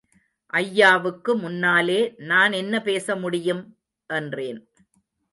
ஐயாவுக்கு முன்னாலே நான் என்ன பேச முடியும்? என்றேன்.